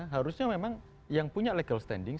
harusnya memang yang punya legal standing